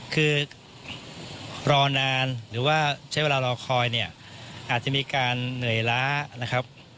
คือรอนานหรือว่าใช้เวลารอคอยเนี่ยอาจจะมีการเหนื่อยล้านะครับ